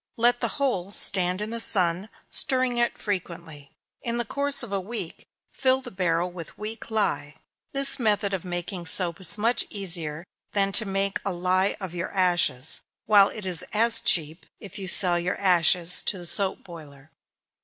Let the whole stand in the sun, stirring it frequently. In the course of a week, fill the barrel with weak lye. This method of making soap is much easier than to make a lye of your ashes, while it is as cheap, if you sell your ashes to the soap boiler.